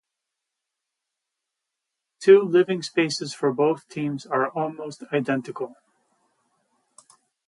The two living spaces for both teams are almost identical.